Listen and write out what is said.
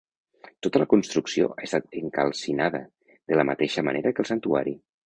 Tota la construcció ha estat encalcinada, de la mateixa manera que el santuari.